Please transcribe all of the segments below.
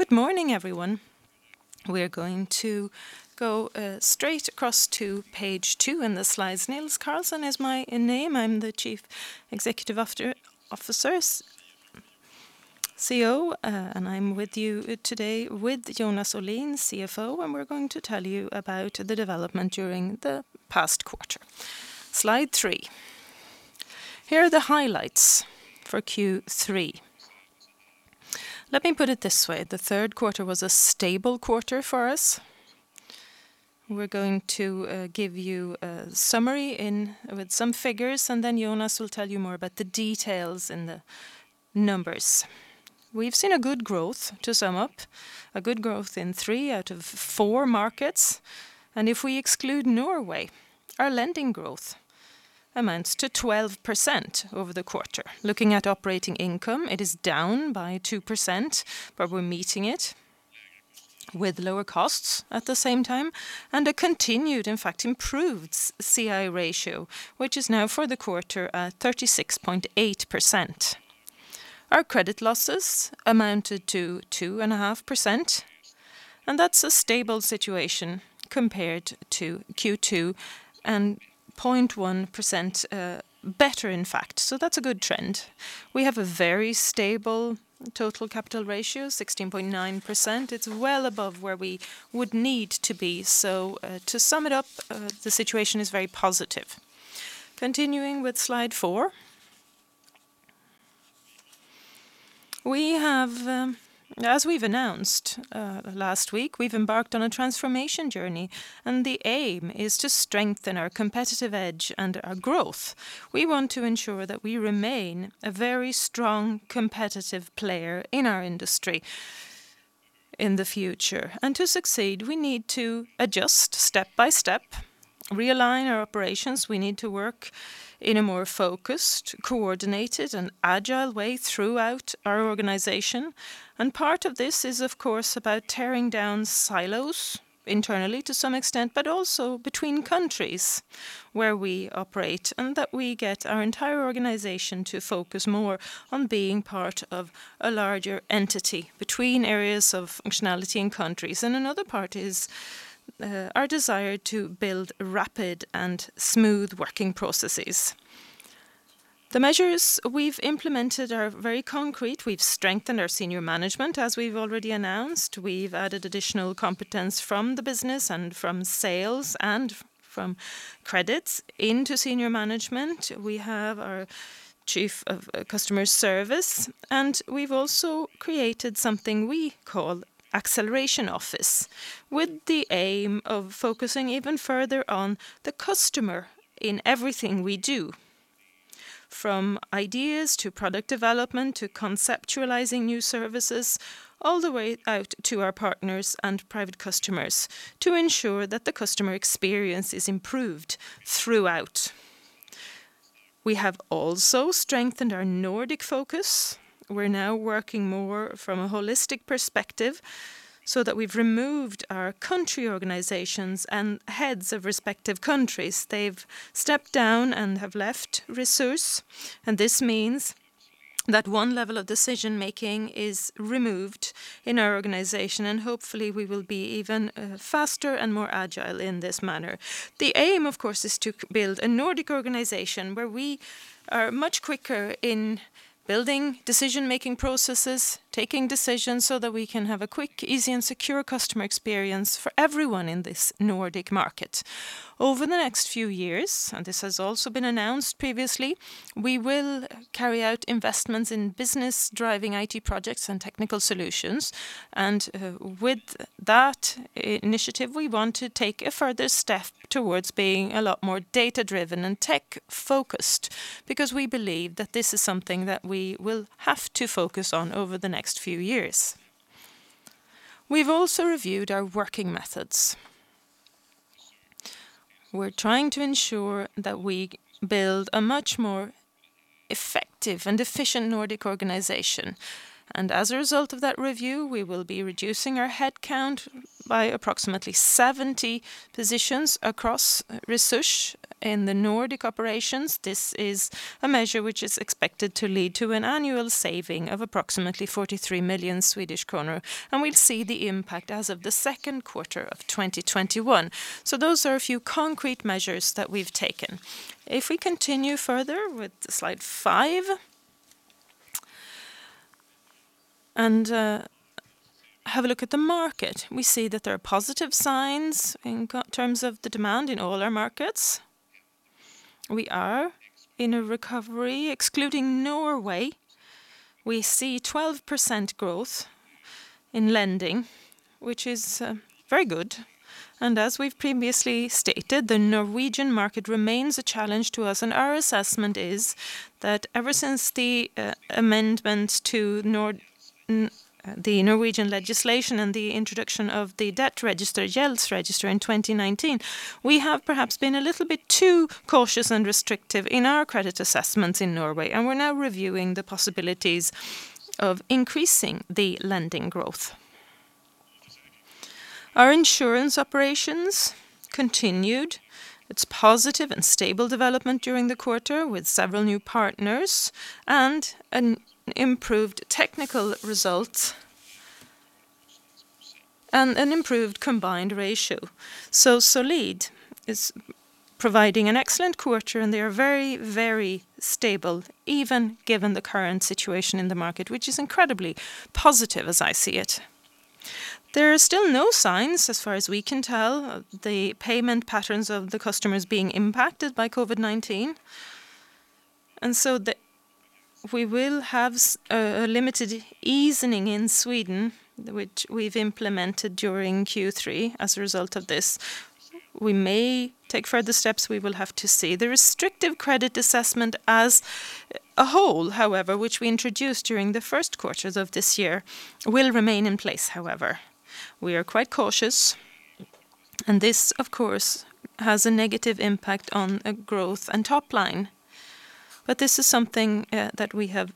Good morning, everyone. We're going to go straight across to page two in the slides. Nils Carlsson is my name. I'm the Chief Executive Officer, CEO, and I'm with you today with Jonas Olin, CFO. We're going to tell you about the development during the past quarter. Slide three. Here are the highlights for Q3. Let me put it this way, the third quarter was a stable quarter for us. We're going to give you a summary with some figures. Then Jonas will tell you more about the details and the numbers. We've seen a good growth, to sum up. A good growth in three out of four markets. If we exclude Norway, our lending growth amounts to 12% over the quarter. Looking at operating income, it is down by 2%, but we're meeting it with lower costs at the same time, and a continued, in fact, improved CI ratio, which is now for the quarter at 36.8%. Our credit losses amounted to 2.5%, and that's a stable situation compared to Q2, and 0.1% better, in fact. That's a good trend. We have a very stable total capital ratio, 16.9%. It's well above where we would need to be. To sum it up, the situation is very positive. Continuing with slide four. As we've announced last week, we've embarked on a transformation journey, and the aim is to strengthen our competitive edge and our growth. We want to ensure that we remain a very strong competitive player in our industry in the future. To succeed, we need to adjust step by step, realign our operations. We need to work in a more focused, coordinated, and agile way throughout our organization. Part of this is, of course, about tearing down silos internally to some extent, but also between countries where we operate. That we get our entire organization to focus more on being part of a larger entity between areas of functionality and countries. Another part is our desire to build rapid and smooth working processes. The measures we've implemented are very concrete. We've strengthened our senior management, as we've already announced. We've added additional competence from the business and from sales and from credits into senior management. We have our Chief of Customer Service, and we've also created something we call Acceleration Office, with the aim of focusing even further on the customer in everything we do, from ideas to product development, to conceptualizing new services, all the way out to our partners and private customers to ensure that the customer experience is improved throughout. We have also strengthened our Nordic focus. We're now working more from a holistic perspective so that we've removed our country organizations and heads of respective countries. They've stepped down and have left Resurs, and this means that one level of decision-making is removed in our organization, and hopefully, we will be even faster and more agile in this manner. The aim, of course, is to build a Nordic organization where we are much quicker in building decision-making processes, taking decisions so that we can have a quick, easy, and secure customer experience for everyone in this Nordic market. Over the next few years, this has also been announced previously, we will carry out investments in business-driving IT projects and technical solutions. With that initiative, we want to take a further step towards being a lot more data-driven and tech-focused because we believe that this is something that we will have to focus on over the next few years. We've also reviewed our working methods. We're trying to ensure that we build a much more effective and efficient Nordic organization. As a result of that review, we will be reducing our headcount by approximately 70 positions across Resurs in the Nordic operations. This is a measure which is expected to lead to an annual saving of approximately 43 million Swedish kronor, and we'll see the impact as of the second quarter of 2021. Those are a few concrete measures that we've taken. If we continue further with slide five and have a look at the market, we see that there are positive signs in terms of the demand in all our markets. We are in a recovery. Excluding Norway, we see 12% growth in lending, which is very good. As we've previously stated, the Norwegian market remains a challenge to us, and our assessment is that ever since the amendments to the Norwegian legislation and the introduction of the debt register, Gjeldsregisteret, in 2019, we have perhaps been a little bit too cautious and restrictive in our credit assessments in Norway, and we're now reviewing the possibilities of increasing the lending growth. Our insurance operations continued its positive and stable development during the quarter with several new partners and an improved technical result, and an improved combined ratio. Solid is providing an excellent quarter, and they are very stable even given the current situation in the market, which is incredibly positive as I see it. There are still no signs, as far as we can tell, of the payment patterns of the customers being impacted by COVID-19. We will have a limited easing in Sweden, which we've implemented during Q3 as a result of this. We may take further steps. We will have to see. The restrictive credit assessment as a whole, however, which we introduced during the first quarters of this year, will remain in place however. We are quite cautious, and this, of course, has a negative impact on growth and top line. This is something that we have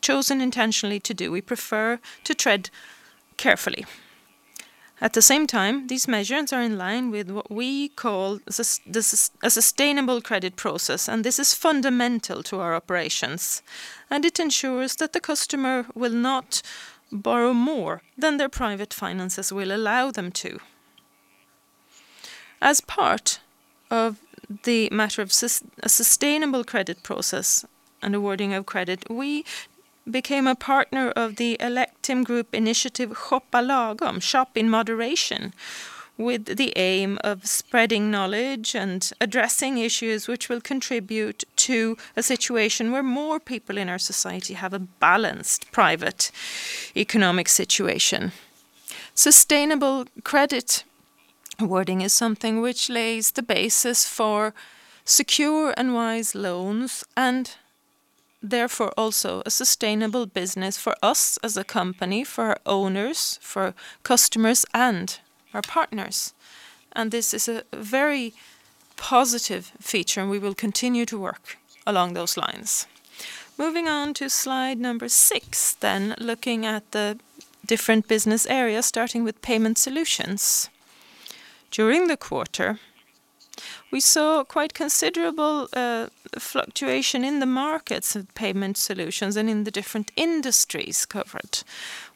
chosen intentionally to do. We prefer to tread carefully. At the same time, these measures are in line with what we call a sustainable credit process, and this is fundamental to our operations. It ensures that the customer will not borrow more than their private finances will allow them to. As part of the matter of a sustainable credit process and awarding of credit, we became a partner of the Alektum Group initiative, Shoppa Lagom, shop in moderation, with the aim of spreading knowledge and addressing issues which will contribute to a situation where more people in our society have a balanced private economic situation. Sustainable credit awarding is something which lays the basis for secure and wise loans and therefore also a sustainable business for us as a company, for our owners, for customers, and our partners. This is a very positive feature, and we will continue to work along those lines. Moving on to slide number six then, looking at the different business areas, starting with Payment Solutions. During the quarter, we saw quite considerable fluctuation in the markets of Payment Solutions and in the different industries covered.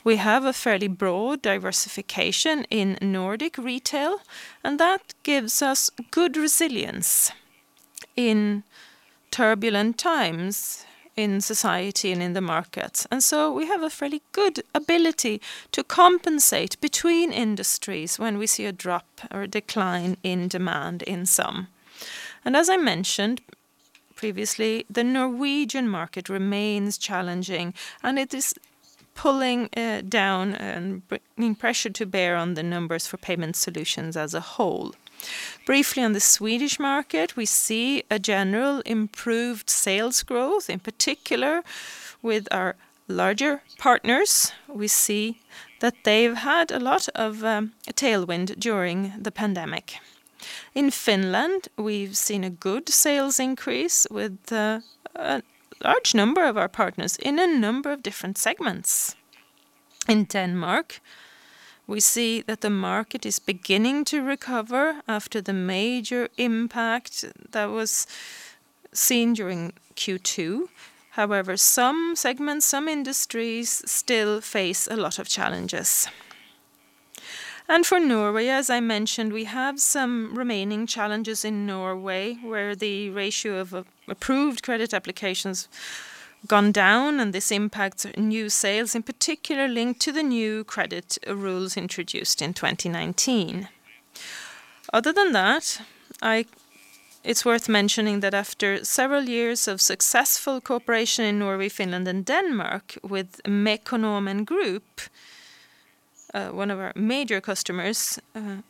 We have a fairly broad diversification in Nordic retail, and that gives us good resilience in turbulent times in society and in the market. We have a fairly good ability to compensate between industries when we see a drop or a decline in demand in some. As I mentioned previously, the Norwegian market remains challenging, and it is pulling down and bringing pressure to bear on the numbers for Payment Solutions as a whole. Briefly on the Swedish market, we see a general improved sales growth, in particular with our larger partners. We see that they've had a lot of tailwind during the pandemic. In Finland, we've seen a good sales increase with a large number of our partners in a number of different segments. In Denmark, we see that the market is beginning to recover after the major impact that was seen during Q2. However, some segments, some industries still face a lot of challenges. For Norway, as I mentioned, we have some remaining challenges in Norway, where the ratio of approved credit applications gone down, and this impacts new sales, in particular linked to the new credit rules introduced in 2019. Other than that, it's worth mentioning that after several years of successful cooperation in Norway, Finland, and Denmark with Mekonomen Group, one of our major customers,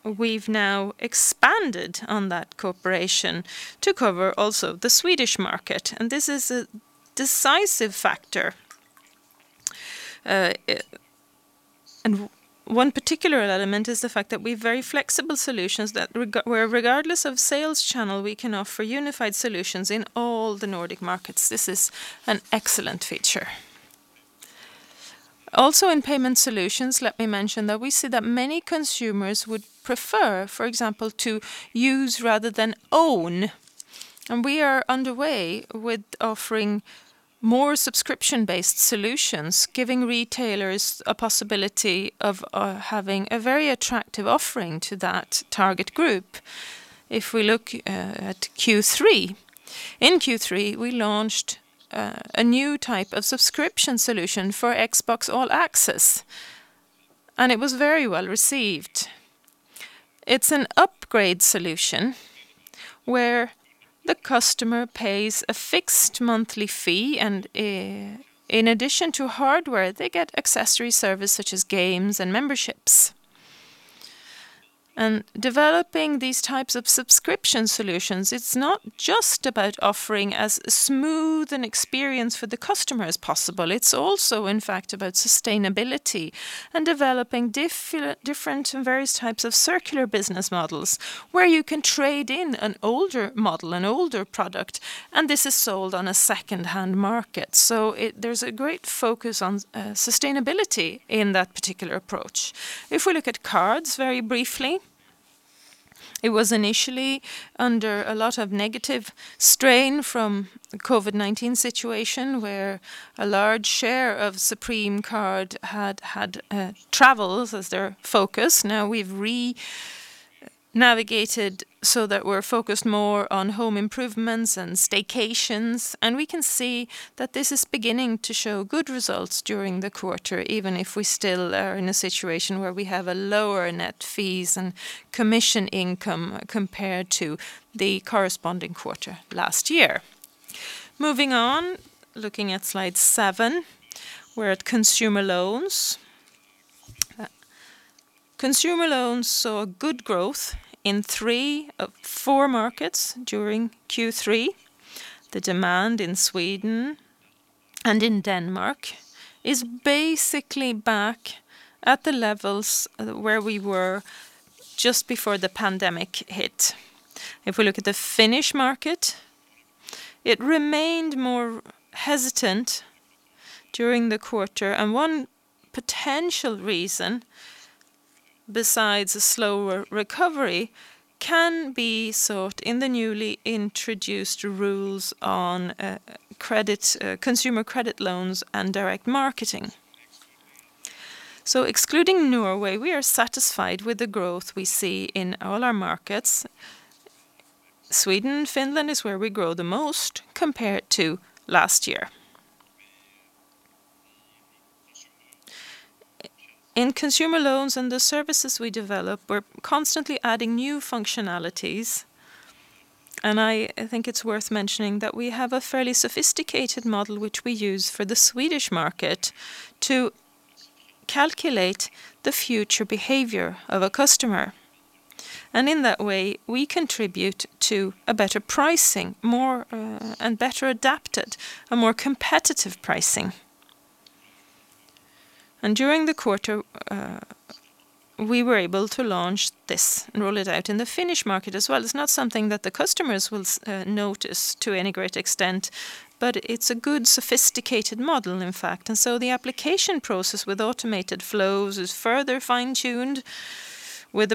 we've now expanded on that cooperation to cover also the Swedish market. This is a decisive factor. One particular element is the fact that we have very flexible solutions where regardless of sales channel, we can offer unified solutions in all the Nordic markets. This is an excellent feature. Also in Payment Solutions, let me mention that we see that many consumers would prefer, for example, to use rather than own. We are underway with offering more subscription-based solutions, giving retailers a possibility of having a very attractive offering to that target group. If we look at Q3, in Q3, we launched a new type of subscription solution for Xbox All Access, and it was very well received. It's an upgrade solution where the customer pays a fixed monthly fee, and in addition to hardware, they get accessory service such as games and memberships. Developing these types of subscription solutions, it's not just about offering as smooth an experience for the customer as possible. It's also, in fact, about sustainability and developing different and various types of circular business models where you can trade in an older model, an older product, and this is sold on a second-hand market. There's a great focus on sustainability in that particular approach. If we look at cards very briefly. It was initially under a lot of negative strain from the COVID-19 situation, where a large share of Supreme Card had travels as their focus. Now we've re-navigated so that we're focused more on home improvements and staycations, and we can see that this is beginning to show good results during the quarter, even if we still are in a situation where we have a lower net fees and commission income compared to the corresponding quarter last year. Moving on, looking at slide seven, we're at consumer loans. Consumer loans saw good growth in three of four markets during Q3. The demand in Sweden and in Denmark is basically back at the levels where we were just before the pandemic hit. If we look at the Finnish market, it remained more hesitant during the quarter, and one potential reason, besides a slower recovery, can be sought in the newly introduced rules on consumer credit loans and direct marketing. Excluding Norway, we are satisfied with the growth we see in all our markets. Sweden and Finland is where we grow the most compared to last year. In consumer loans and the services we develop, we're constantly adding new functionalities. I think it's worth mentioning that we have a fairly sophisticated model which we use for the Swedish market to calculate the future behavior of a customer. In that way, we contribute to a better pricing, more and better adapted, a more competitive pricing. During the quarter, we were able to launch this and roll it out in the Finnish market as well. It's not something that the customers will notice to any great extent, but it's a good sophisticated model, in fact. The application process with automated flows is further fine-tuned with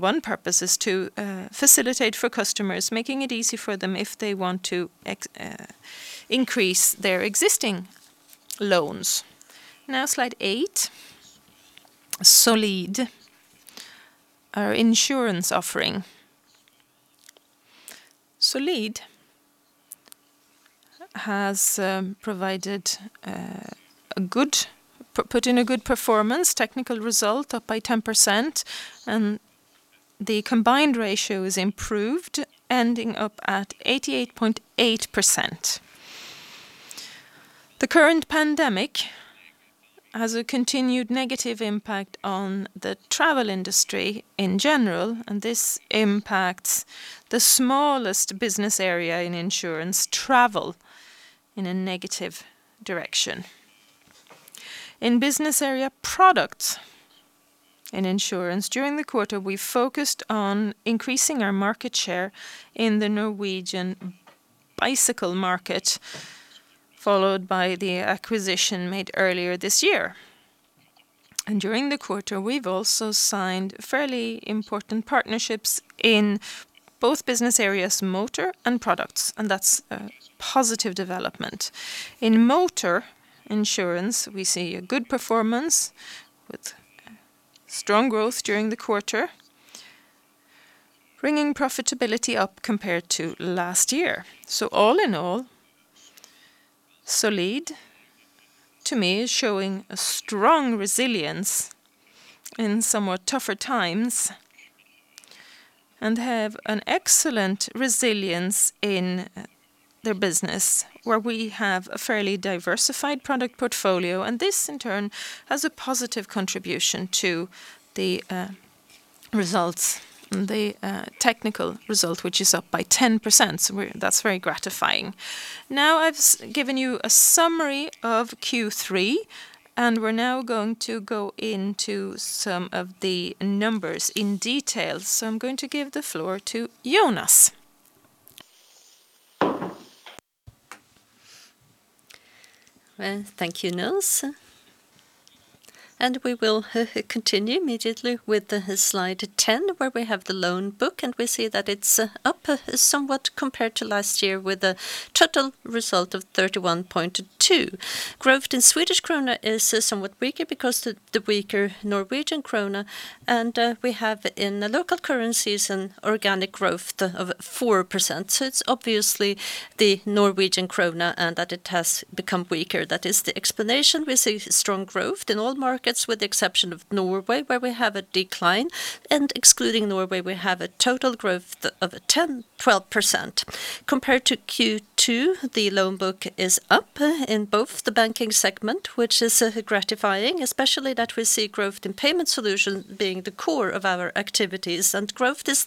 one purpose is to facilitate for customers, making it easy for them if they want to increase their existing loans. Now, slide eight. Solid, our insurance offering. Solid has put in a good performance, technical result up by 10%, and the combined ratio is improved, ending up at 88.8%. The current pandemic has a continued negative impact on the travel industry in general, and this impacts the smallest business area in insurance, travel, in a negative direction. In business area products in insurance during the quarter, we focused on increasing our market share in the Norwegian bicycle market, followed by the acquisition made earlier this year. During the quarter, we've also signed fairly important partnerships in both business areas, motor and products, and that's a positive development. In motor insurance, we see a good performance with strong growth during the quarter, bringing profitability up compared to last year. All in all, Solid to me is showing a strong resilience in somewhat tougher times and have an excellent resilience in their business where we have a fairly diversified product portfolio, and this in turn has a positive contribution to the results and the technical result, which is up by 10%. That's very gratifying. Now I've given you a summary of Q3, and we're now going to go into some of the numbers in detail. I'm going to give the floor to Jonas. Well, thank you, Nils. We will continue immediately with slide 10 where we have the loan book, and we see that it's up somewhat compared to last year with a total result of 31.2. Growth in SEK is somewhat weaker because of the weaker NOK, and we have in the local currencies an organic growth of 4%. It's obviously the NOK, and that it has become weaker. That is the explanation. We see strong growth in all markets with the exception of Norway, where we have a decline, and excluding Norway, we have a total growth of 12%. Compared to Q2, the loan book is up in both the banking segment, which is gratifying, especially that we see growth in Payment Solutions being the core of our activities. Growth is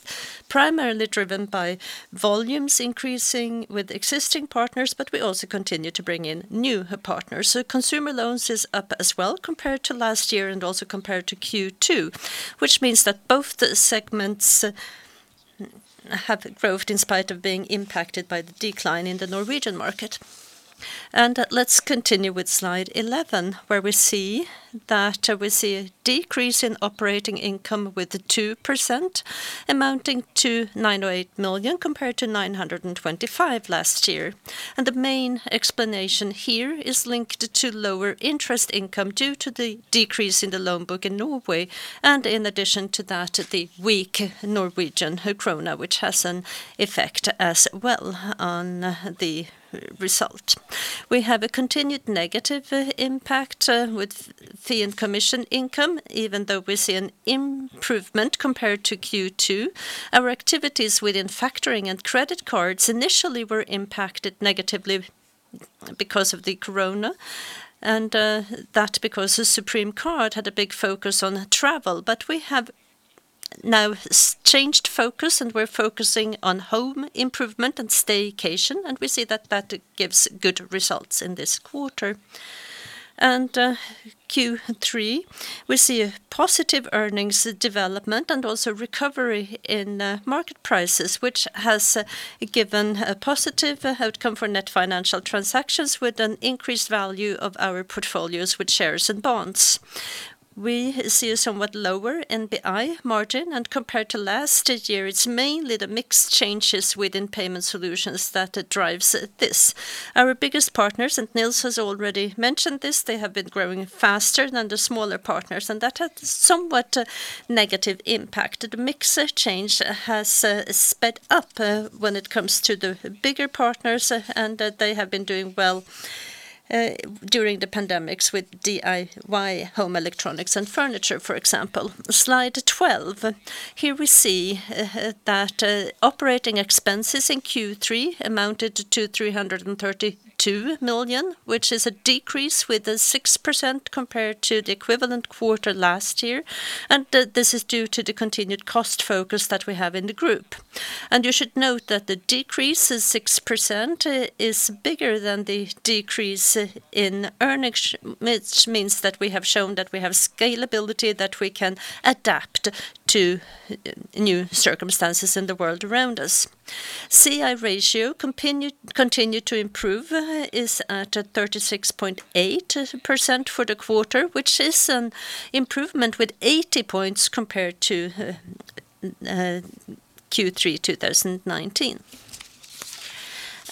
primarily driven by volumes increasing with existing partners, but we also continue to bring in new partners. Consumer loans is up as well compared to last year and also compared to Q2, which means that both the segments have growth in spite of being impacted by the decline in the Norwegian market. Let's continue with slide 11, where we see that we see a decrease in operating income with the 2% amounting to 908 million compared to 925 million last year. The main explanation here is linked to lower interest income due to the decrease in the loan book in Norway, and in addition to that, the weak Norwegian krone, which has an effect as well on the result. We have a continued negative impact with fee and commission income, even though we see an improvement compared to Q2. Our activities within factoring and credit cards initially were impacted negatively because of the corona, and that because the Supreme Card had a big focus on travel. We have now changed focus and we're focusing on home improvement and staycation, and we see that that gives good results in this quarter. Q3, we see a positive earnings development and also recovery in market prices, which has given a positive outcome for net financial transactions with an increased value of our portfolios with shares and bonds. We see a somewhat lower NBI margin, and compared to last year, it's mainly the mix changes within Payment Solutions that drives this. Our biggest partners, and Nils has already mentioned this, they have been growing faster than the smaller partners, and that had somewhat negative impact. The mix change has sped up when it comes to the bigger partners and they have been doing well during the pandemics with DIY home electronics and furniture, for example. Slide 12. Here we see that operating expenses in Q3 amounted to 332 million, which is a decrease with 6% compared to the equivalent quarter last year, this is due to the continued cost focus that we have in the group. You should note that the decrease is 6% is bigger than the decrease in earnings, which means that we have shown that we have scalability, that we can adapt to new circumstances in the world around us. CI ratio continued to improve, is at 36.8% for the quarter, which is an improvement with 80 points compared to Q3 2019.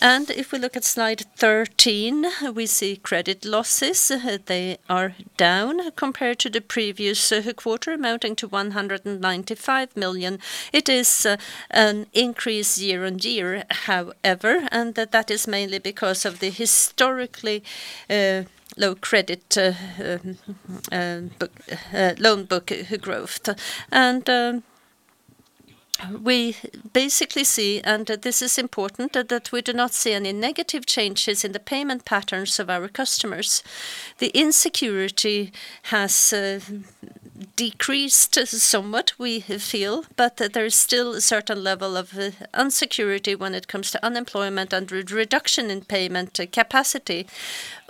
If we look at Slide 13, we see credit losses. They are down compared to the previous quarter, amounting to 195 million. It is an increase year-over-year, however. That is mainly because of the historically low credit loan book growth. We basically see, and this is important, that we do not see any negative changes in the payment patterns of our customers. The insecurity has decreased somewhat, we feel, but there is still a certain level of insecurity when it comes to unemployment and reduction in payment capacity.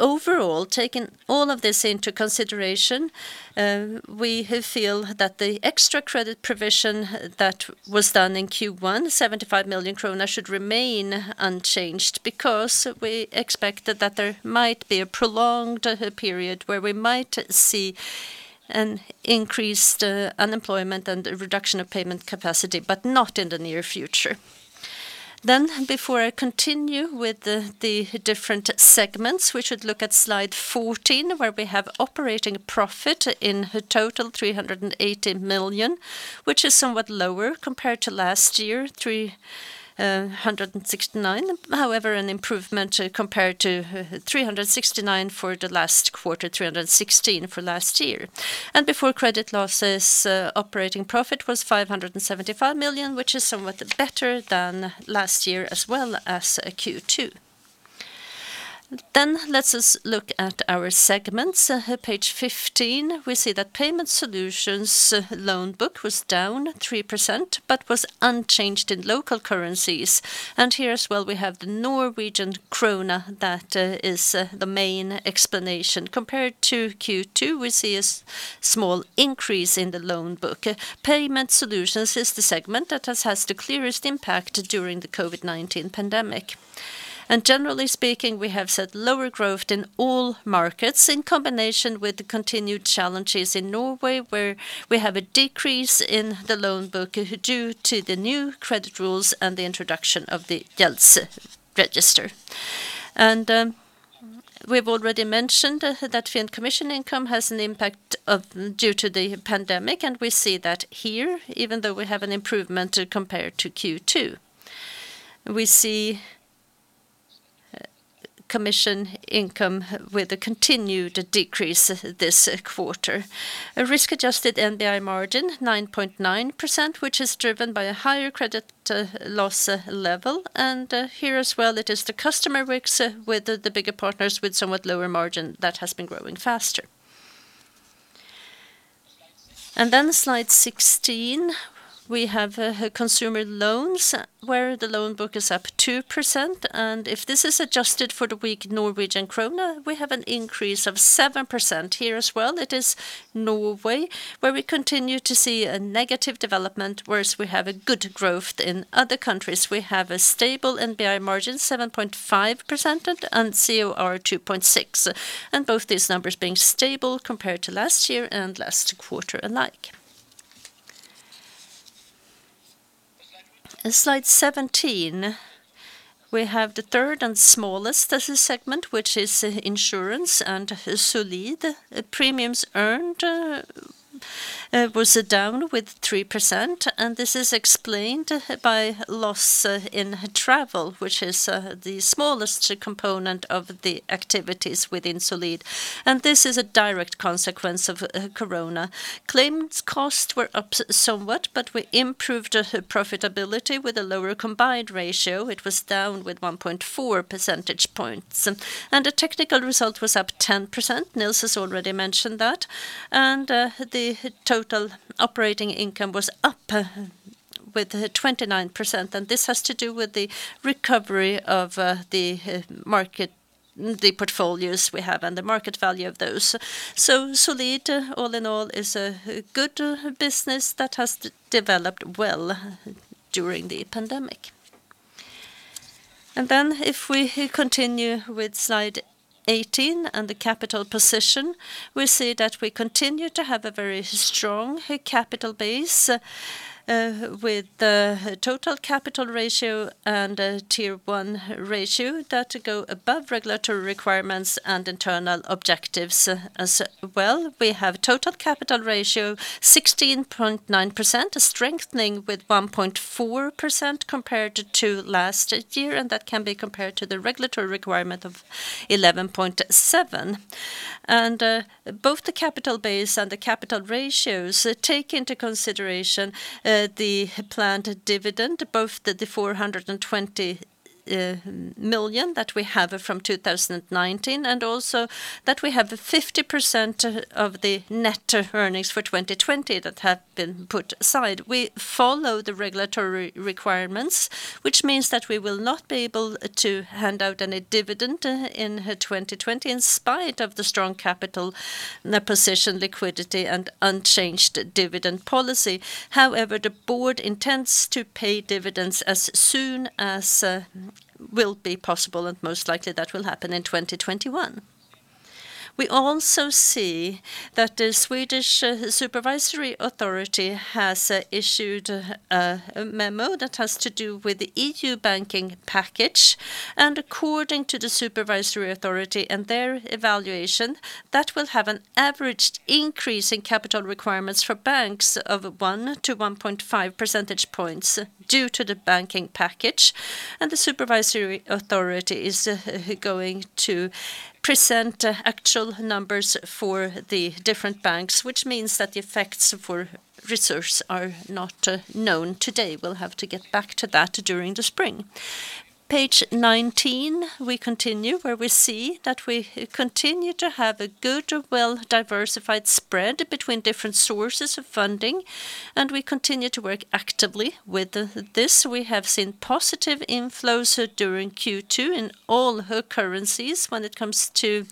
Overall, taking all of this into consideration, we feel that the extra credit provision that was done in Q1, 75 million kronor, should remain unchanged because we expected that there might be a prolonged period where we might see an increased unemployment and reduction of payment capacity, but not in the near future. Before I continue with the different segments, we should look at slide 14, where we have operating profit in total 380 million, which is somewhat lower compared to last year, 369. However, an improvement compared to 369 for the last quarter, 316 for last year. Before credit losses, operating profit was 575 million, which is somewhat better than last year as well as Q2. Let us look at our segments. Page 15, we see that Payment Solutions loan book was down 3%, but was unchanged in local currencies. Here as well, we have the NOK that is the main explanation. Compared to Q2, we see a small increase in the loan book. Payment Solutions is the segment that has the clearest impact during the COVID-19 pandemic. Generally speaking, we have seen lower growth in all markets in combination with the continued challenges in Norway, where we have a decrease in the loan book due to the new credit rules and the introduction of the Gjeldsregisteret. We've already mentioned that fee and commission income has an impact due to the pandemic, and we see that here, even though we have an improvement compared to Q2. We see commission income with a continued decrease this quarter. A risk-adjusted NBI margin 9.9%, which is driven by a higher credit loss level. Here as well, it is the customer mix with the bigger partners with somewhat lower margin that has been growing faster. Slide 16, we have consumer loans where the loan book is up 2%. If this is adjusted for the weak NOK, we have an increase of 7% here as well. It is Norway, where we continue to see a negative development, whereas we have a good growth in other countries. We have a stable NBI margin 7.5% and COR 2.6%, and both these numbers being stable compared to last year and last quarter alike. Slide 17. We have the third and smallest segment, which is insurance and Solid. Premiums earned was down with 3%, and this is explained by loss in travel, which is the smallest component of the activities within Solid. This is a direct consequence of corona. Claims costs were up somewhat, but we improved profitability with a lower combined ratio. It was down with 1.4 percentage points. The technical result was up 10%, Nils has already mentioned that. The total operating income was up with 29%, and this has to do with the recovery of the portfolios we have and the market value of those. Solid, all in all, is a good business that has developed well during the pandemic. If we continue with slide 18 and the capital position, we see that we continue to have a very strong capital base with the total capital ratio and a Tier 1 ratio that go above regulatory requirements and internal objectives as well. We have total capital ratio 16.9%, a strengthening with 1.4% compared to last year, and that can be compared to the regulatory requirement of 11.7. Both the capital base and the capital ratios take into consideration the planned dividend, both the 420 million that we have from 2019, and also that we have 50% of the net earnings for 2020 that have been put aside. We follow the regulatory requirements, which means that we will not be able to hand out any dividend in 2020 in spite of the strong capital position liquidity and unchanged dividend policy. However, the board intends to pay dividends as soon as will be possible, and most likely that will happen in 2021. We also see that the Swedish Supervisory Authority has issued a memo that has to do with the EU banking package. According to the Supervisory Authority and their evaluation, that will have an average increase in capital requirements for banks of 1-1.5 percentage points due to the EU banking package. The Supervisory Authority is going to present actual numbers for the different banks, which means that the effects for Resurs are not known today. We'll have to get back to that during the spring. Page 19, we continue where we see that we continue to have a good well-diversified spread between different sources of funding, and we continue to work actively with this. We have seen positive inflows during Q2 in all currencies when it comes to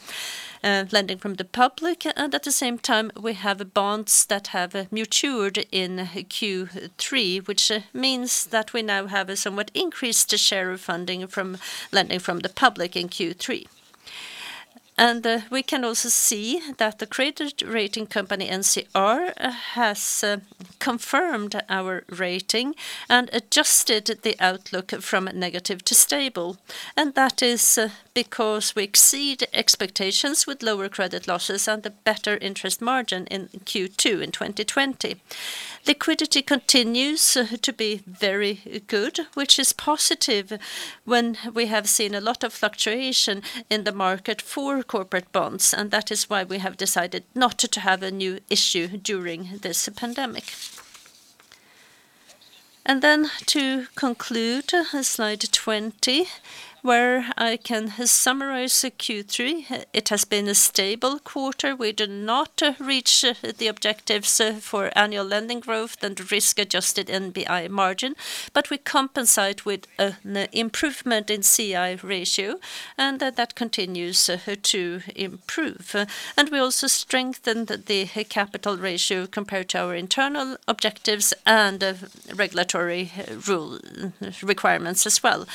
lending from the public. At the same time, we have bonds that have matured in Q3, which means that we now have a somewhat increased share of funding from lending from the public in Q3. We can also see that the credit rating company NCR has confirmed our rating and adjusted the outlook from negative to stable. That is because we exceed expectations with lower credit losses and the better interest margin in Q2 in 2020. Liquidity continues to be very good, which is positive when we have seen a lot of fluctuation in the market for corporate bonds. That is why we have decided not to have a new issue during this pandemic. To conclude, slide 20, where I can summarize Q3. It has been a stable quarter. We did not reach the objectives for annual lending growth and risk-adjusted NBI margin. We compensate with an improvement in CI ratio, and that continues to improve. We also strengthened the capital ratio compared to our internal objectives and regulatory rule requirements as well.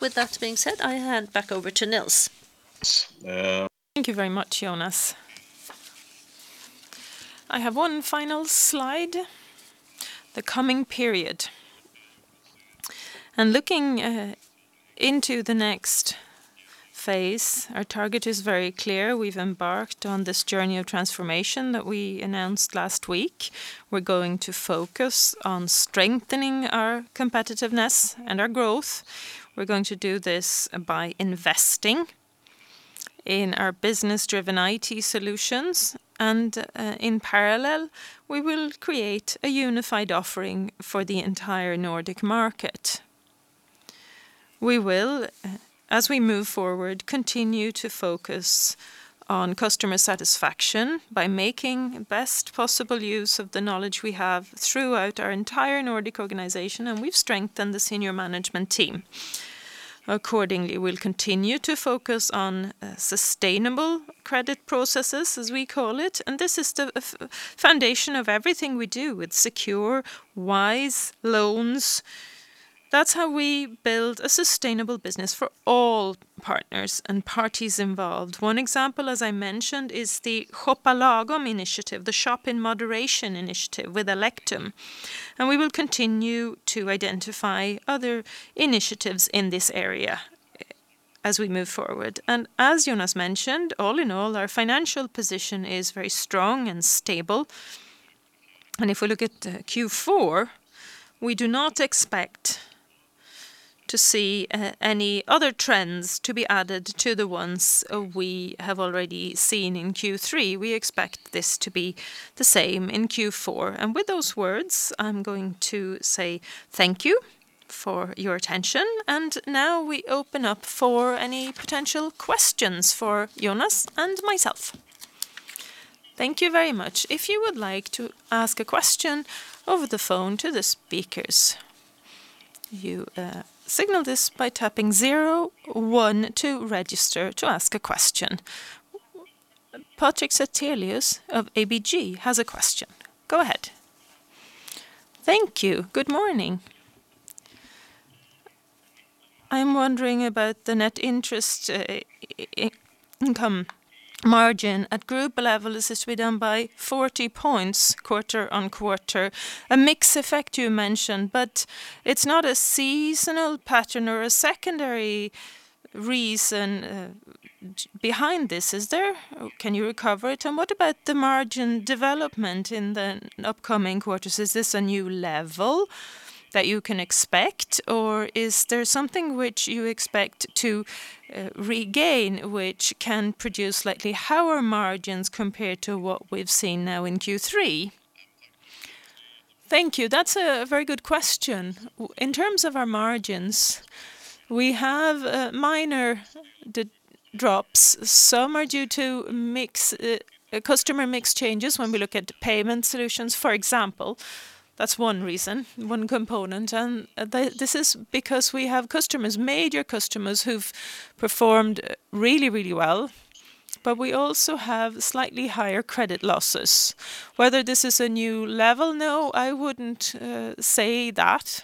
With that being said, I hand back over to Nils. Thank you very much, Jonas. I have one final slide. The coming period. Looking into the next phase, our target is very clear. We've embarked on this journey of transformation that we announced last week. We're going to focus on strengthening our competitiveness and our growth. We're going to do this by investing in our business-driven IT solutions. In parallel, we will create a unified offering for the entire Nordic market. We will, as we move forward, continue to focus on customer satisfaction by making the best possible use of the knowledge we have throughout our entire Nordic organization. We've strengthened the senior management team accordingly. We'll continue to focus on sustainable credit processes, as we call it. This is the foundation of everything we do with secure wise loans. That's how we build a sustainable business for all partners and parties involved. One example, as I mentioned, is the Shoppa Lagom initiative, the shop in moderation initiative with Alektum. We will continue to identify other initiatives in this area as we move forward. As Jonas mentioned, all in all, our financial position is very strong and stable. If we look at Q4, we do not expect to see any other trends to be added to the ones we have already seen in Q3. We expect this to be the same in Q4. With those words, I'm going to say thank you for your attention. Now we open up for any potential questions for Jonas and myself. Thank you very much. If you would like to ask a question over the phone to the speakers, you signal this by tapping zero one to register to ask a question. Patrik Brattelius of ABG has a question. Go ahead. Thank you. Good morning. I'm wondering about the net interest income margin at group level. This has been down by 40 points quarter-on-quarter. A mix effect you mentioned, but it's not a seasonal pattern or a secondary reason behind this, is there? Can you recover it? What about the margin development in the upcoming quarters? Is this a new level that you can expect, or is there something which you expect to regain which can produce slightly higher margins compared to what we've seen now in Q3? Thank you. That's a very good question. In terms of our margins, we have minor drops. Some are due to customer mix changes when we look at Payment Solutions, for example. That's one reason, one component, and this is because we have major customers who've performed really well, but we also have slightly higher credit losses. Whether this is a new level, no, I wouldn't say that.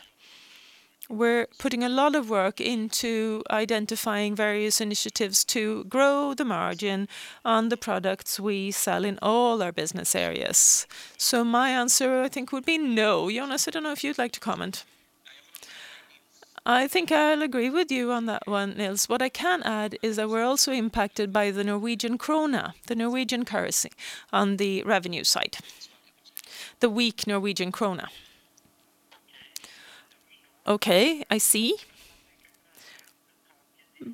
We're putting a lot of work into identifying various initiatives to grow the margin on the products we sell in all our business areas. My answer, I think, would be no. Jonas, I don't know if you'd like to comment. I think I'll agree with you on that one, Nils. What I can add is that we're also impacted by the Norwegian krone, the Norwegian currency, on the revenue side. The weak Norwegian krone. Okay. I see.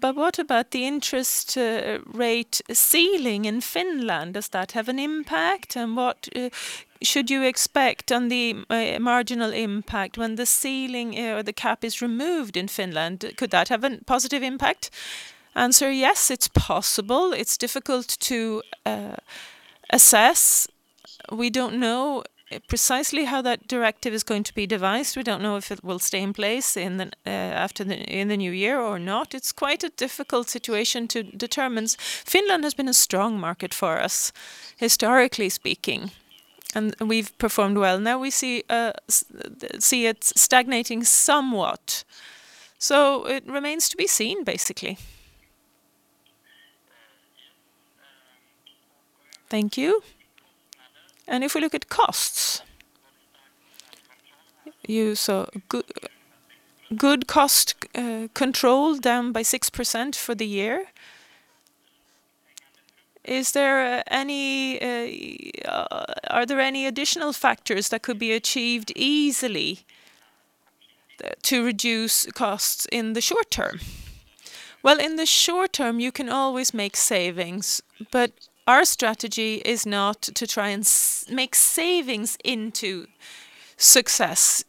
What about the interest rate ceiling in Finland? Does that have an impact, and what should you expect on the marginal impact when the ceiling or the cap is removed in Finland? Could that have a positive impact? Answer, yes, it's possible. It's difficult to assess. We don't know precisely how that directive is going to be devised. We don't know if it will stay in place in the new year or not. It's quite a difficult situation to determine. Finland has been a strong market for us, historically speaking, and we've performed well. Now we see it stagnating somewhat, so it remains to be seen, basically. Thank you. If we look at costs, you saw good cost control down by 6% for the year. Are there any additional factors that could be achieved easily to reduce costs in the short term? Well, in the short term, you can always make savings, but our strategy is not to try and make savings into success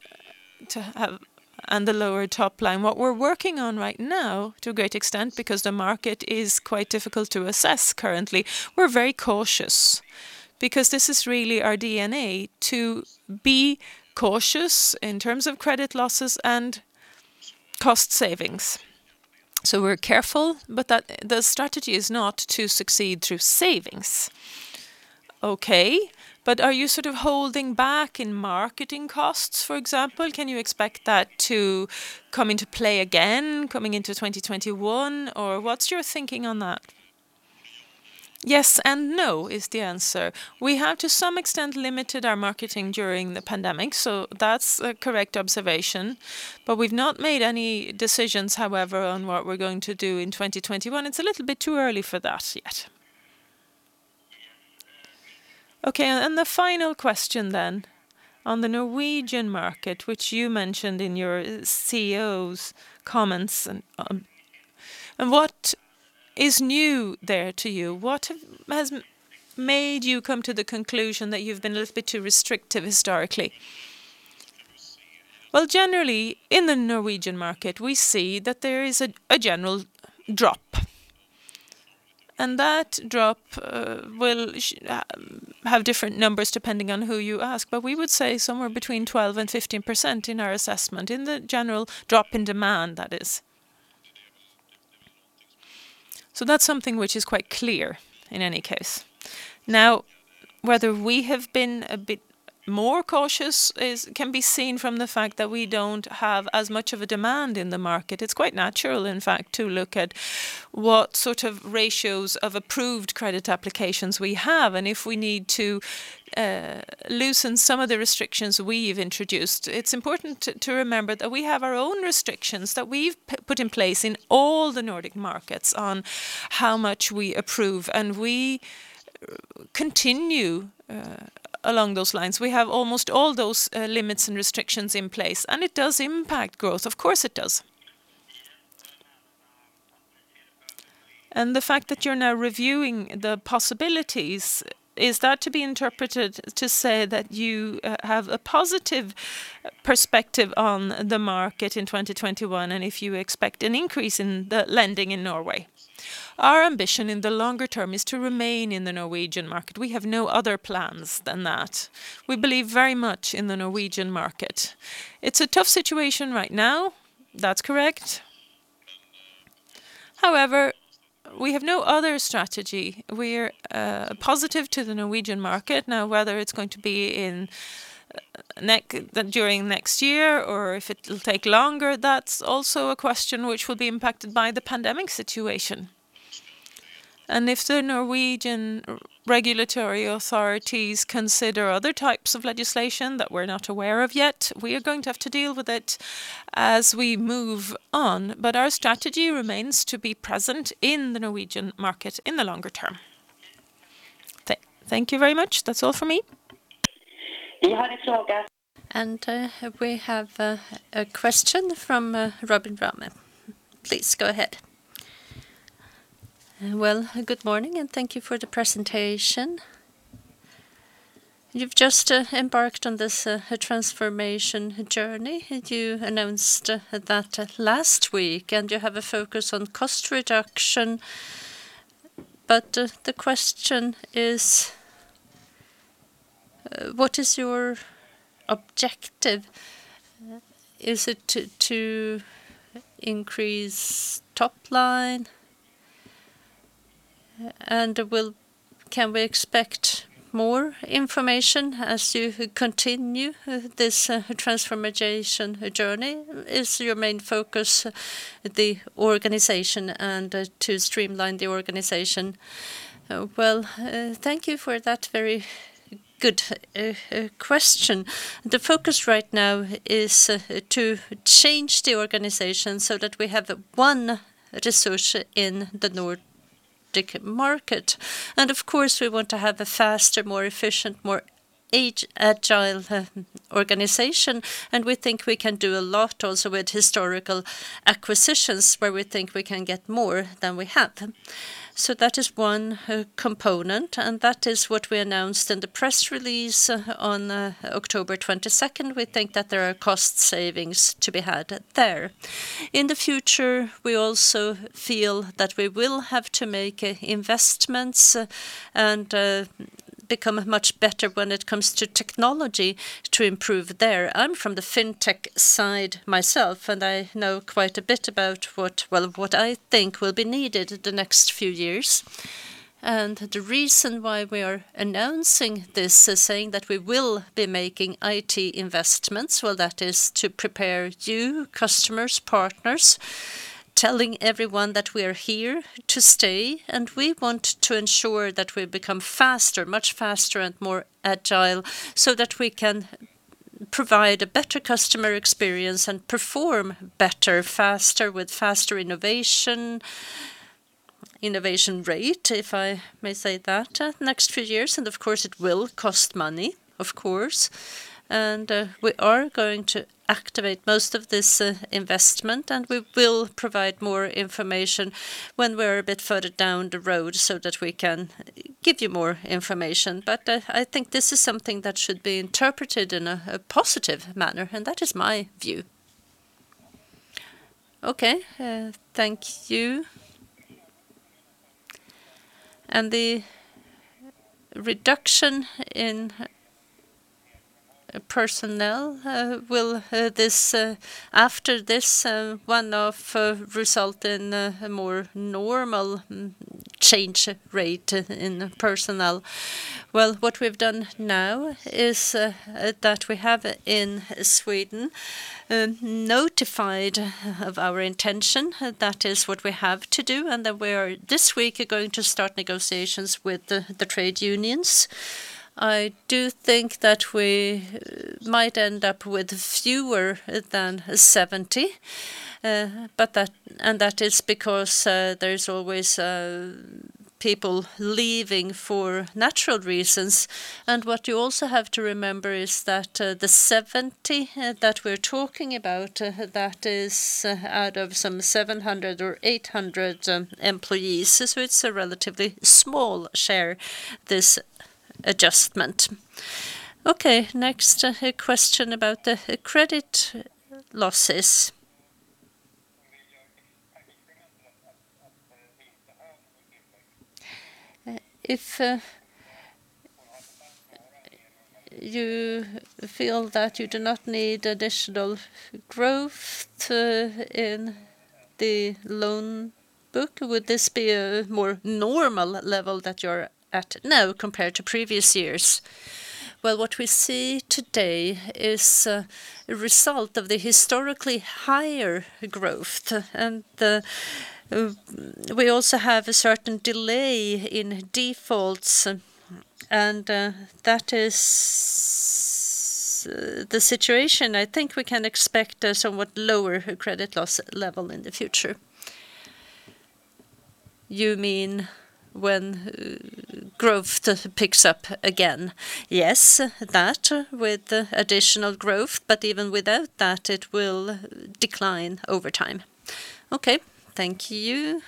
and the lower top line. What we're working on right now, to a great extent, because the market is quite difficult to assess currently, we're very cautious because this is really our DNA to be cautious in terms of credit losses and cost savings. We're careful, but the strategy is not to succeed through savings. Okay, are you sort of holding back in marketing costs, for example? Can you expect that to come into play again coming into 2021, or what's your thinking on that? Yes and no is the answer. We have to some extent limited our marketing during the pandemic, so that's a correct observation. We've not made any decisions, however, on what we're going to do in 2021. It's a little bit too early for that yet. Okay, the final question on the Norwegian market, which you mentioned in your CEO's comments. What is new there to you? What has made you come to the conclusion that you've been a little bit too restrictive historically? Well, generally, in the Norwegian market, we see that there is a general drop. That drop will have different numbers depending on who you ask. We would say somewhere between 12% and 15% in our assessment, in the general drop in demand, that is. That's something which is quite clear in any case. Now, whether we have been a bit more cautious can be seen from the fact that we don't have as much of a demand in the market. It's quite natural, in fact, to look at what sort of ratios of approved credit applications we have and if we need to loosen some of the restrictions we've introduced. It's important to remember that we have our own restrictions that we've put in place in all the Nordic markets on how much we approve. We continue along those lines. We have almost all those limits and restrictions in place. It does impact growth. Of course it does. The fact that you're now reviewing the possibilities, is that to be interpreted to say that you have a positive perspective on the market in 2021, and if you expect an increase in the lending in Norway? Our ambition in the longer term is to remain in the Norwegian market. We have no other plans than that. We believe very much in the Norwegian market. It's a tough situation right now. That's correct. We have no other strategy. We're positive to the Norwegian market. Whether it's going to be during next year or if it will take longer, that's also a question which will be impacted by the pandemic situation. If the Norwegian regulatory authorities consider other types of legislation that we're not aware of yet, we are going to have to deal with it as we move on. Our strategy remains to be present in the Norwegian market in the longer term. Thank you very much. That's all for me. You're heard, Helga. We have a question from Robin Ramme. Please go ahead. Well, good morning, thank you for the presentation. You've just embarked on this transformation journey. You announced that last week, you have a focus on cost reduction. The question is, what is your objective? Is it to increase top line? Can we expect more information as you continue this transformation journey? Is your main focus the organization and to streamline the organization? Well, thank you for that very good question. The focus right now is to change the organization so that we have one Resurs in the Nordic market. Of course, we want to have a faster, more efficient, more agile organization, and we think we can do a lot also with historical acquisitions where we think we can get more than we have. That is one component, and that is what we announced in the press release on October 22nd. We think that there are cost savings to be had there. In the future, we also feel that we will have to make investments and become much better when it comes to technology to improve there. I'm from the fintech side myself, and I know quite a bit about what I think will be needed the next few years. The reason why we are announcing this, saying that we will be making IT investments, well, that is to prepare you, customers, partners, telling everyone that we're here to stay, and we want to ensure that we become faster, much faster and more agile so that we can provide a better customer experience and perform better, faster, with faster innovation rate, if I may say that, next few years. Of course it will cost money, of course. We are going to activate most of this investment, and we will provide more information when we're a bit further down the road so that we can give you more information. I think this is something that should be interpreted in a positive manner, and that is my view. Okay. Thank you. The reduction in personnel, will this after this runoff result in a more normal change rate in personnel? Well, what we've done now is that we have in Sweden notified of our intention. That is what we have to do, and that we're this week going to start negotiations with the trade unions. I do think that we might end up with fewer than 70, and that is because there's always a. people leaving for natural reasons. What you also have to remember is that the 70 that we're talking about, that is out of some 700 or 800 employees. It's a relatively small share, this adjustment. Okay. Next, a question about the credit losses. If you feel that you do not need additional growth in the loan book, would this be a more normal level that you're at now compared to previous years? Well, what we see today is a result of the historically higher growth and we also have a certain delay in defaults, and that is the situation. I think we can expect a somewhat lower credit loss level in the future. You mean when growth picks up again? Yes, that with additional growth, but even without that, it will decline over time. Okay. Thank you.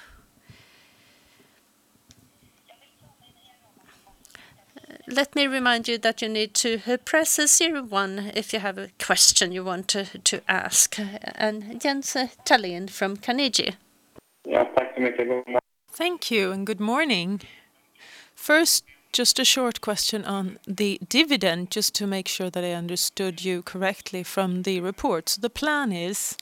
Let me remind you that you need to press 01 if you have a question you want to ask. Jens Hallén from Carnegie. Yeah. Thank you and good morning. First, just a short question on the dividend, just to make sure that I understood you correctly from the report. The plan is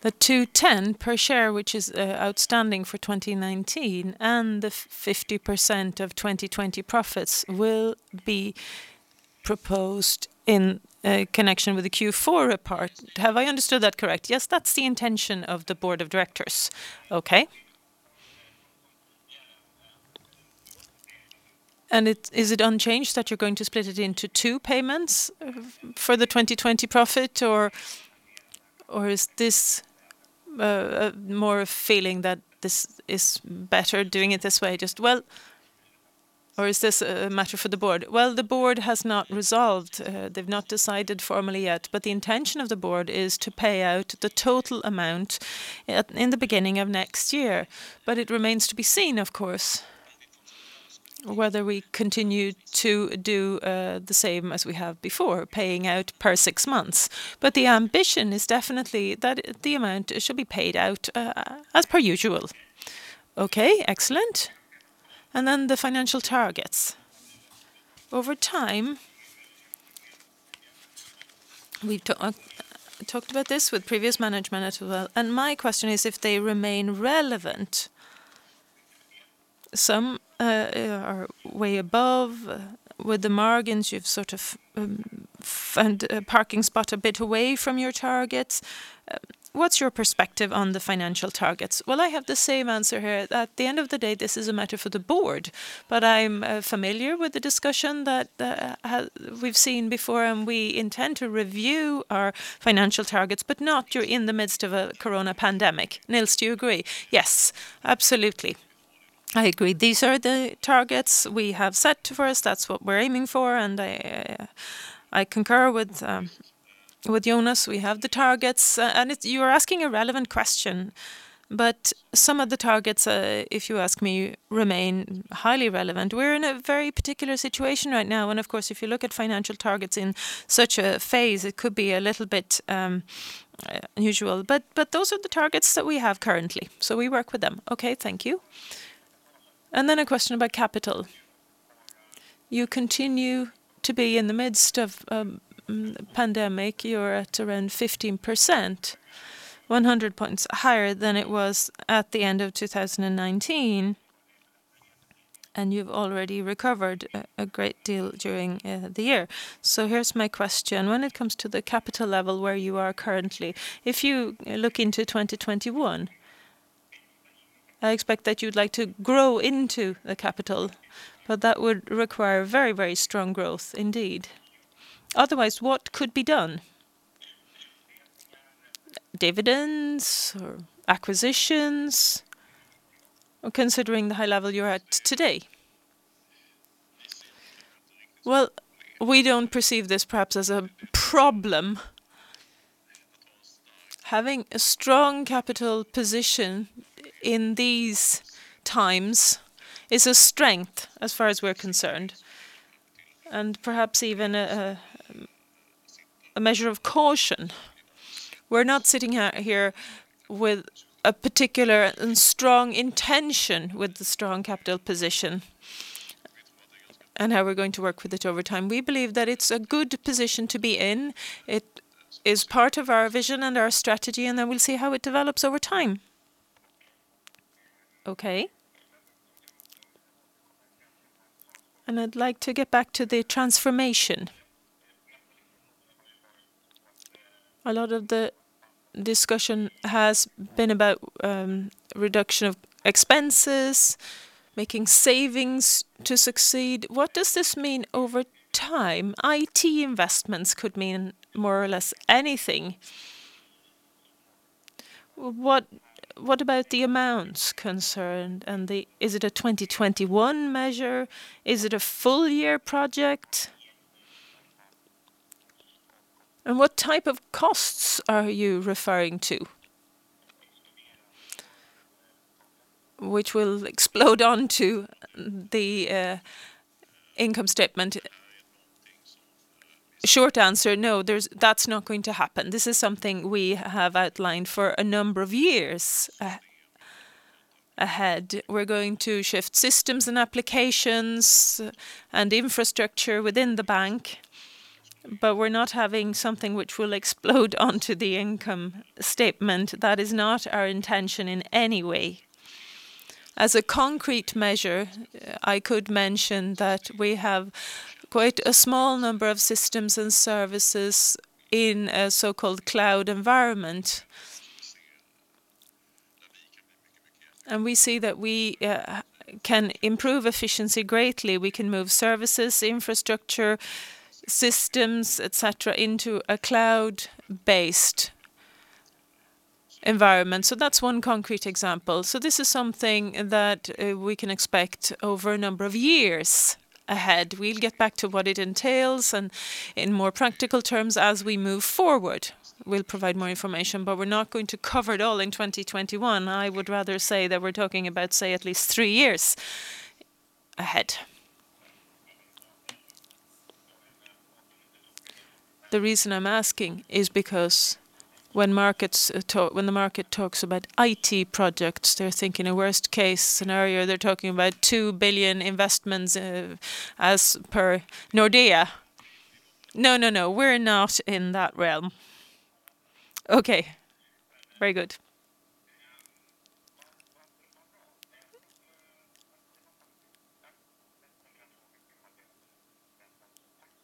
the 2.10 per share, which is outstanding for 2019, and the 50% of 2020 profits will be proposed in connection with the Q4 report. Have I understood that correct? Yes, that's the intention of the board of directors. Okay. Is it unchanged that you're going to split it into two payments for the 2020 profit or is this more a feeling that this is better doing it this way, or is this a matter for the board? Well, the board has not resolved. They've not decided formally yet. The intention of the board is to pay out the total amount in the beginning of next year. It remains to be seen, of course, whether we continue to do the same as we have before, paying out per six months. The ambition is definitely that the amount should be paid out as per usual. Okay. Excellent. The financial targets. Over time, we've talked about this with previous management as well, and my question is if they remain relevant. Some are way above with the margins, you've sort of found a parking spot a bit away from your targets. What's your perspective on the financial targets? Well, I have the same answer here. At the end of the day, this is a matter for the board, but I'm familiar with the discussion that we've seen before. We intend to review our financial targets, but not during the midst of a Corona pandemic. Nils, do you agree? Yes, absolutely. I agree. These are the targets we have set for us. That's what we're aiming for. I concur with Jonas. We have the targets. You are asking a relevant question. Some of the targets, if you ask me, remain highly relevant. We're in a very particular situation right now. Of course, if you look at financial targets in such a phase, it could be a little bit unusual. Those are the targets that we have currently, we work with them. Okay. Thank you. A question about capital. You continue to be in the midst of pandemic. You're at around 15%, 100 points higher than it was at the end of 2019. You've already recovered a great deal during the year. Here's my question. When it comes to the capital level where you are currently, if you look into 2021, I expect that you'd like to grow into the capital, but that would require very strong growth indeed. Otherwise, what could be done? Dividends or acquisitions, considering the high level you're at today? Well, we don't perceive this perhaps as a problem. Having a strong capital position in these times is a strength as far as we're concerned, and perhaps even a measure of caution. We're not sitting here with a particular and strong intention with the strong capital position and how we're going to work with it over time. We believe that it's a good position to be in. It is part of our vision and our strategy, and then we'll see how it develops over time. Okay. I'd like to get back to the transformation. A lot of the discussion has been about reduction of expenses, making savings to succeed. What does this mean over time? IT investments could mean more or less anything. What about the amounts concerned? Is it a 2021 measure? Is it a full year project? What type of costs are you referring to? Which will explode onto the income statement. Short answer, no, that's not going to happen. This is something we have outlined for a number of years ahead. We're going to shift systems and applications and infrastructure within the bank, but we're not having something which will explode onto the income statement. That is not our intention in any way. As a concrete measure, I could mention that we have quite a small number of systems and services in a so-called cloud environment. We see that we can improve efficiency greatly. We can move services, infrastructure, systems, et cetera, into a cloud-based environment. That's one concrete example. This is something that we can expect over a number of years ahead. We'll get back to what it entails and in more practical terms as we move forward. We'll provide more information, but we're not going to cover it all in 2021. I would rather say that we're talking about, say, at least three years ahead. The reason I'm asking is because when the market talks about IT projects, they're thinking a worst case scenario. They're talking about 2 billion investments as per Nordea. No. We're not in that realm. Okay. Very good.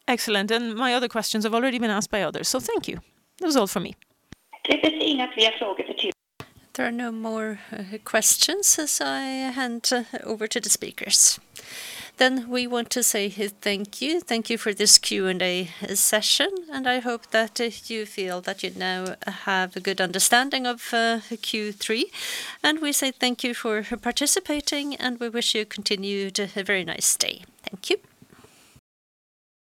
Excellent. My other questions have already been asked by others, so thank you. That was all for me. There are no more questions as I hand over to the speakers. We want to say thank you. Thank you for this Q&A session, and I hope that you feel that you now have a good understanding of Q3. We say thank you for participating and we wish you continued very nice day. Thank you.